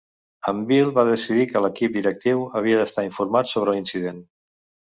En Bill va decidir que l'equip directiu havia d'estar informat sobre l'incident.